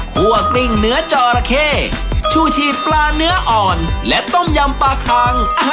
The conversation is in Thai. กลิ้งเนื้อจอระเข้ชูชีปลาเนื้ออ่อนและต้มยำปลาคัง